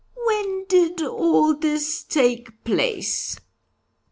'" "When did all this take place?"